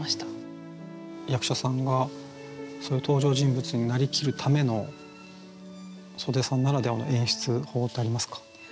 役者さんがそういう登場人物になりきるための岨手さんならではの演出法ってありますか？